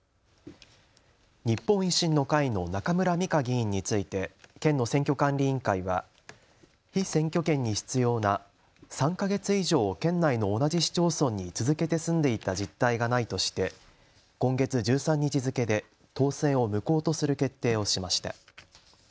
日本維新の会の中村美香議員について県の選挙管理委員会は被選挙権に必要な３か月以上、県内の同じ市町村に続けて住んでいた実態がないとして今月１３日付けで当選を無効とする決定をしました。